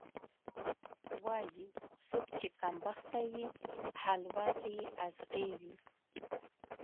وایي: څوک چې کمبخته وي، حلوا کې یې ازغی وي.